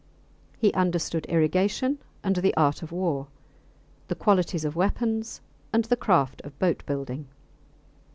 He understood irrigation and the art of war the qualities of weapons and the craft of boat building.